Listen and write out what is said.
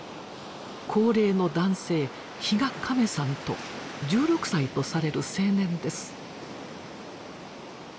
高齢の男性比嘉亀さんと１６歳とされる青年です。